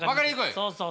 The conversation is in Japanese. そうそう。